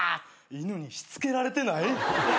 犬にしつけられてない？